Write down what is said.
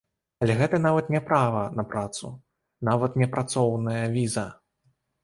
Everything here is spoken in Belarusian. Але гэта нават не права на працу, нават не працоўная віза.